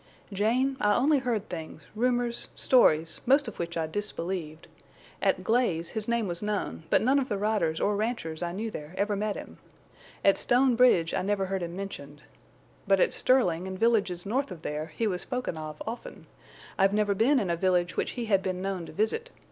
"Jane, I only heard things, rumors, stories, most of which I disbelieved. At Glaze his name was known, but none of the riders or ranchers I knew there ever met him. At Stone Bridge I never heard him mentioned. But at Sterling and villages north of there he was spoken of often. I've never been in a village which he had been known to visit.